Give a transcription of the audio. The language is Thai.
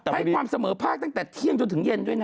ให้ความเสมอภาคตั้งแต่เที่ยงจนถึงเย็นด้วยนะ